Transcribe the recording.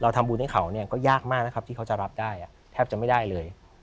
ทำบุญให้เขาก็ยากมากนะครับที่เขาจะรับได้แทบจะไม่ได้เลย